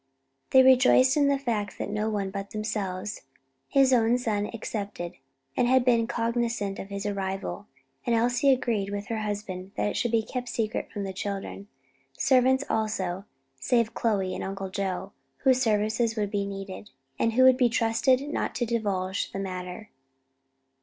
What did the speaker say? They rejoiced in the fact that no one but themselves his own son excepted had been cognizant of his arrival, and Elsie agreed with her husband that it should be kept secret from the children; servants also save Aunt Chloe and Uncle Joe, whose services would be needed, and who could be trusted not to divulge the matter.